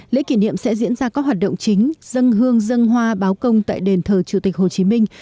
lễ kỷ niệm sẽ diễn ra có hoạt động chính dâng hương dâng hoa báo công tại đền thờ chủ tịch hồ chí minh